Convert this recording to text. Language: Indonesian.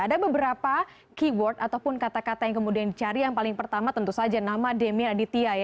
ada beberapa keyword ataupun kata kata yang kemudian dicari yang paling pertama tentu saja nama demi aditya ya